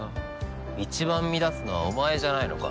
一番乱すのはお前じゃないのか？